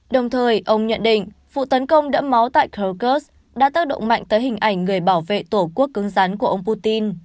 đồng thời ông nhận định vụ tấn công đẫm máu tại krokus đã tác động mạnh tới hình ảnh người bảo vệ tổ quốc cứng rắn của ông putin